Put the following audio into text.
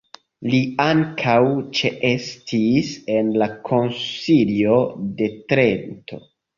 Li ankaŭ ĉeestis en la Konsilio de Trento.